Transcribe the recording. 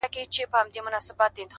دا خو ډيره گرانه ده ـ